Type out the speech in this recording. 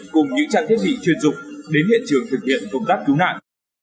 cùng những trang thiết bị chuyên dụng đến hiện trường thực hiện công tác cứu nạn